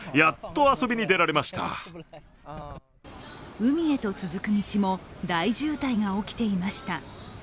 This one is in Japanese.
海へと続く道も大渋滞が起きていました。